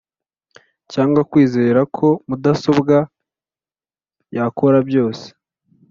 cyangwa kwizera ko mudasobwa yakora byose